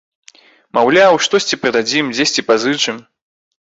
Маўляў, штосьці прададзім, дзесьці пазычым.